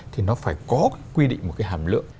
thì nó phải có quy định một cái hàm lượng